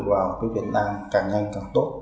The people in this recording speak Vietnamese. vào cái việt nam càng nhanh càng tốt